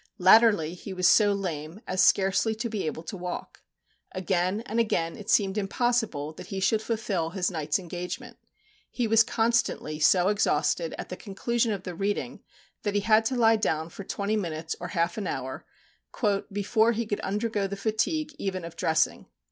Latterly he was so lame, as scarcely to be able to walk. Again and again it seemed impossible that he should fulfil his night's engagement. He was constantly so exhausted at the conclusion of the reading, that he had to lie down for twenty minutes or half an hour, "before he could undergo the fatigue even of dressing."